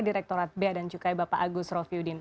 direkturat bi dan cukai bapak agus rofiudin